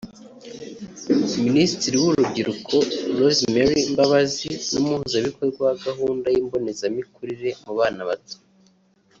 Minisitiri w’Urubyiruko Rosemary Mbabazi n’ umuhuzabikorwa wa gahunda y’imbonezamikurire mu bana bato